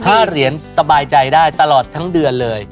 ๕เหรียญสบายใจได้ตลอดทั้งเดือนเลย